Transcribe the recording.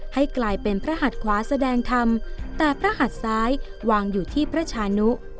ให้กลายเป็นพระหัดขวาแสดงธรรมแต่พระหัดซ้ายวางอยู่ที่พระชานุ